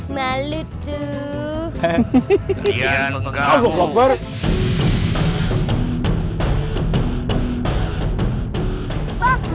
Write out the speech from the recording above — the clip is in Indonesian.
malu tuh hehehe dia mengganggu